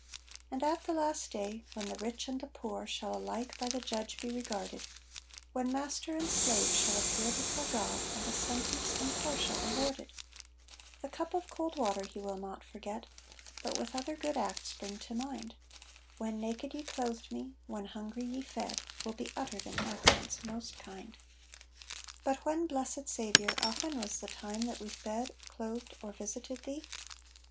And at the last day, when the rich and the poor Shall alike by the Judge be regarded; When master and slave shall appear before God, And a sentence impartial awarded, The cup of cold water He will not forget, But with other good acts bring to mind; "When naked ye clothed me, when hungry ye fed," Will be uttered in accents most kind. But when, blessed Saviour, ah when was the time, That we fed, clothed, or visited thee?